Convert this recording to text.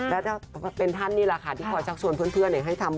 และถ้าเป็นท่านนี่แหละค่ะที่ขอจากชวนเพื่อนให้ทำบุญนะคะ